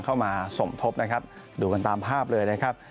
เข้ามาสมทบดูกันตามภาพเลย